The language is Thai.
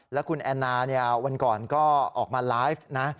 แล้วคุณแอนนาวันก่อนก็ออกมาไลฟ์นะ